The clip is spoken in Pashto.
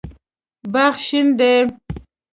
باغ شین دی